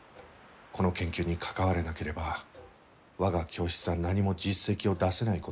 この研究に関われなければ我が教室は何も実績を出せないことになる。